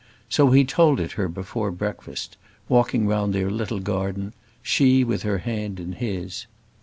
So he told it her before breakfast, walking round their little garden, she with her hand in his.